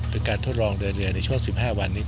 เป็นการทดลองเรือในช่วง๑๕วันนี้